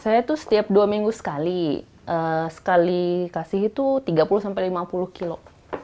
saya tuh setiap dua minggu sekali sekali kasih itu tiga puluh sampai lima puluh kilo